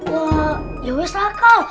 wah ya weh salah kau